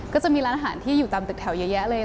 ก็จะมีร้านอาหารที่อยู่ตามตึกแถวเยอะแยะเลย